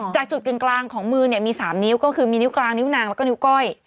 จากจุดกลางของมือเนี่ยมี๓นิ้วก็คือมีนิ้วกลางนิ้วนางแล้วก็นิ้วก้อย